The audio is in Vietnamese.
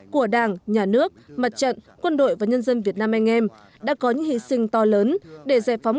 của đảng nhà nước mặt trận quân đội và nhân dân việt nam anh em đã có những hy sinh to lớn để giải phóng